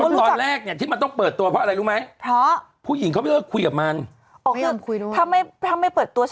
แรงเหมือนกันเนอะ